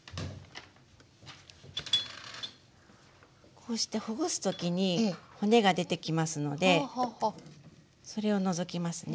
こうしてほぐす時に骨が出てきますのでそれを除きますね。